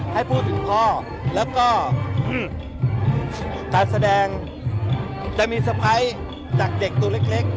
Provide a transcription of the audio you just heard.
ให้พูดถึงพ่อแล้วก็การแสดงจะมีสะพ้ายจากเด็กตัวเล็ก